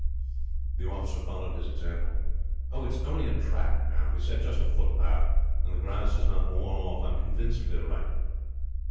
The officer followed his example. "Oh, it is only a track now," he said. "Just a footpath, and the grass is not worn off. I am convinced we are right."